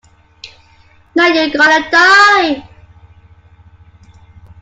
Now you're gonna die!